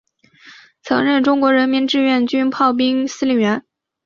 曾任中国人民志愿军炮兵司令员。